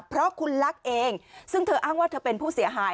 เพราะคุณลักษณ์เองซึ่งเธออ้างว่าเธอเป็นผู้เสียหาย